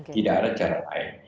tidak ada cara lain